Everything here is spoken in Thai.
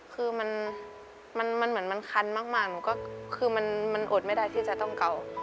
คือมันเหมือนมันคันมากหนูก็คือมันอดไม่ได้ที่จะต้องเก่า